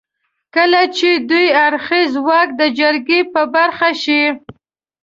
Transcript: کله چې دوه اړخيز واک د جرګې په برخه شي.